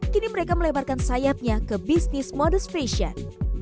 kini mereka melebarkan sayapnya ke bisnis modus fashion